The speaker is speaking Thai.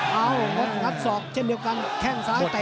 เอางดงัดศอกเช่นเดียวกันแข้งซ้ายเตะ